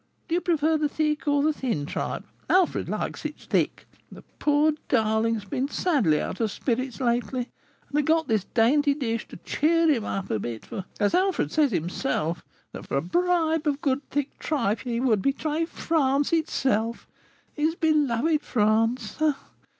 Do you prefer the thick or thin tripe? Alfred likes it thick. The poor darling has been sadly out of spirits lately, and I got this dainty dish to cheer him up a bit; for, as Alfred says himself, that for a bribe of good thick tripe he would betray France itself, his beloved France.